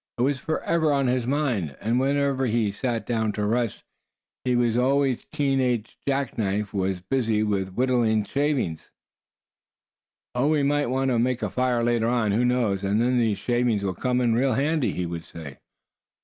It was forever on his mind, and whenever he sat down to rest, his always keen edged jack knife was busy whittling shavings. "Oh! we might want to make a fire later on, who knows; and then these shavings will come in real handy," he would say.